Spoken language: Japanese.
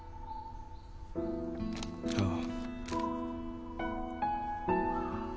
ああ。